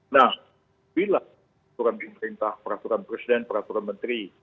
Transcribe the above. nah bila peraturan pemerintah peraturan presiden peraturan menteri